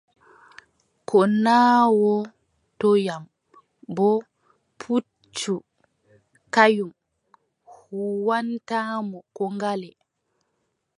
Ko naawotoyam boo, puccu kanyum huuwwantaamo koo ngale.